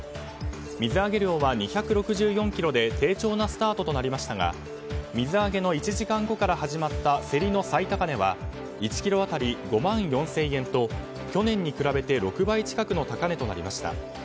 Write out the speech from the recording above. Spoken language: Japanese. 水揚げ量は２６４ｋｇで低調なスタートとなりましたが水揚げの１時間後から始まった競りの最高値は１ｋｇ当たり、５万４０００円と去年に比べて６倍近くの高値となりました。